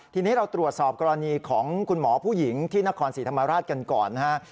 ทีนี้เราตรวจสอบกรณีของคุณหมอผู้หญิงที่นครศรีธรรมราชกันก่อนนะฮะ